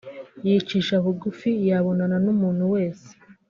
yicisha bugufi yabonana n’umuntu wese